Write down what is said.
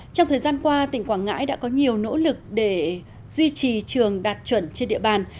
trong thời gian qua tỉnh quảng ngãi đã có nhiều nỗ lực để duy trì trường đạt chuẩn trên địa bàn